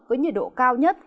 với nhiệt độ cao nhất